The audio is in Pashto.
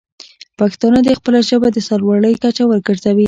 پښتانه دې خپله ژبه د سر لوړۍ کچه وګرځوي.